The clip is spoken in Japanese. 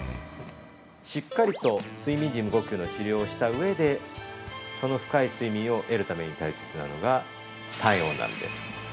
◆しっかりと睡眠時無呼吸の治療をした上でその深い睡眠を得るために大切なのが体温なんです。